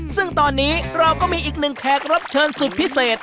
ซึ่งตอนนี้เราก็มีอีกหนึ่งแขกรับเชิญสุดพิเศษ